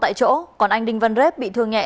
tại chỗ còn anh đinh văn rễ bị thương nhẹ